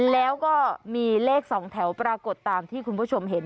แล้วก็มีเลข๒แถวปรากฏตามที่คุณผู้ชมเห็น